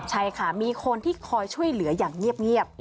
ใช่ค่ะมีคนที่คอยช่วยเหลืออย่างเงียบ